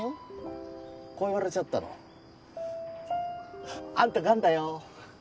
こう言われちゃったの。あんたがんだよ。